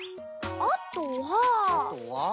あとは？